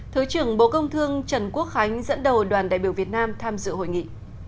thứ trưởng bộ công thương trần quốc khánh dẫn đầu đoàn đại biểu việt nam tham dự hội nghị